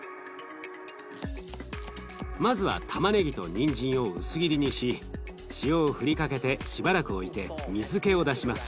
まずはたまねぎとにんじんを薄切りにし塩を振りかけてしばらく置いて水けを出します。